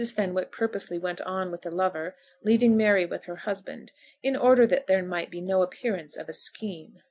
Fenwick purposely went on with the lover, leaving Mary with her husband, in order that there might be no appearance of a scheme.